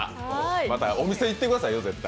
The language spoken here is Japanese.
またお店行ってくださいよ、絶対。